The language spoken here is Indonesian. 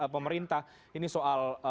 pemerintah ini soal